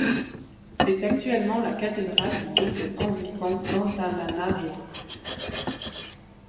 C'est actuellement la cathédrale du diocèse anglican d'Antananarivo.